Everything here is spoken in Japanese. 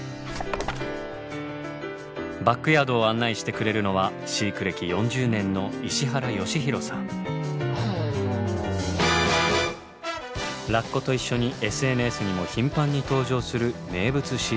バックヤードを案内してくれるのは飼育歴４０年のラッコと一緒にＳＮＳにも頻繁に登場する名物飼育員。